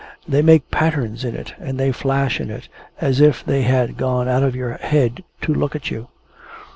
They make patterns in it, and they flash in it, as if they had gone out of your head to look at you.